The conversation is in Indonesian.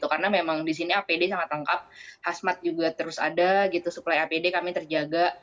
karena memang di sini apd sangat lengkap khasmat juga terus ada suplai apd kami terjaga